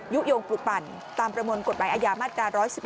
โยงปลูกปั่นตามประมวลกฎหมายอาญามาตรา๑๑๒